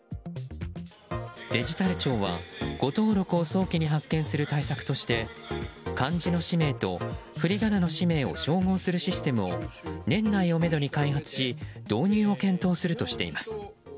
デジタル庁は、誤登録を早期に発見する対策として漢字の氏名とふりがなの氏名を照合するシステムを年内をめどに開発し導入を検討するとしています。